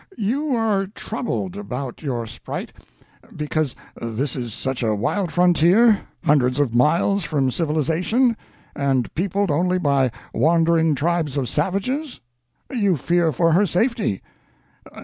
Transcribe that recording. You are troubled about your sprite because this is such a wild frontier, hundreds of miles from civilization, and peopled only by wandering tribes of savages? You fear for her safety?